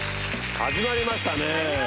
始まりましたね！